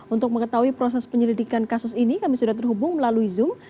untuk mengetahui proses penyelidikan kasus ini kami sudah terhubung melalui zoom